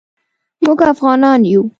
موږ افعانان یو